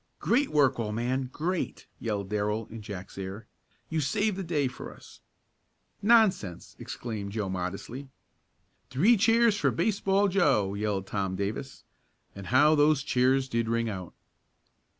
"Great work, old man! Great!" yelled Darrell in Joe's ear. "You saved the day for us." "Nonsense!" exclaimed Joe modestly. "Three cheers for Baseball Joe!" yelled Tom Davis, and how those cheers did ring out.